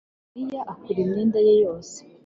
Mariya akora imyenda ye yose